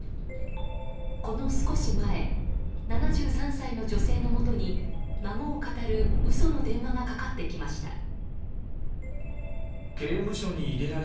この少し前７３歳の女性のもとに孫をかたる嘘の電話がかかってきました。